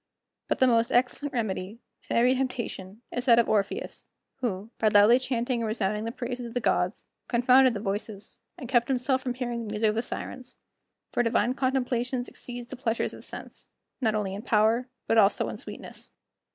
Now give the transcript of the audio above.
But the most excellent remedy, in every temptation, is that of Orpheus, who, by loudly chanting and resounding the praises of the gods, confounded the voices, and kept himself from hearing the music of the Sirens; for divine contemplations exceed the pleasures of sense, not only in power but also in sweetness.